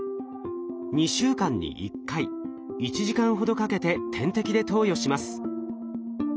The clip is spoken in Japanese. ２週間に１回１時間ほどかけて点滴で投与します。